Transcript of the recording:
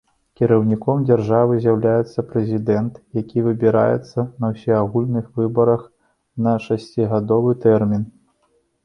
Кіраўніком дзяржавы з'яўляецца прэзідэнт, які выбіраецца на ўсеагульных выбарах на шасцігадовы тэрмін.